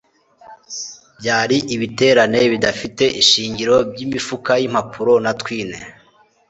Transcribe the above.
byari ibiterane bidafite ishingiro byimifuka yimpapuro na twine